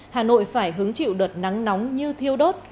hà nội phải hứng chịu đợt nắng nóng như thiêu đốt